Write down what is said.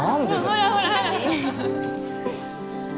ほらほら